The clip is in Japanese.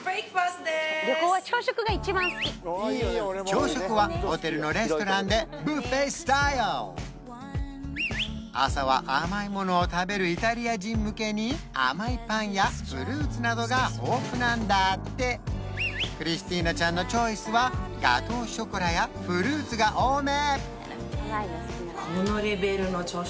朝食はホテルのレストランでビュッフェスタイル朝は甘いものを食べるイタリア人向けに甘いパンやフルーツなどが豊富なんだってクリスティーナちゃんのチョイスはガトーショコラやフルーツが多め！